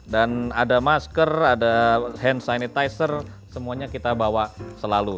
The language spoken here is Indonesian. dan ada masker ada hand sanitizer semuanya kita bawa selalu